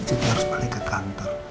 jadi harus balik ke kantor